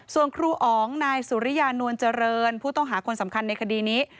ส่วนครูอ๋องนายสุริยานวลเจริญผู้ต้องหาคนสำคัญในคดีนี้